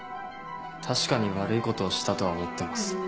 確かに悪いことをしたとは思ってます。